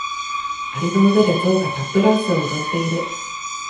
蟻の上でゾウがタップダンスを踊っている。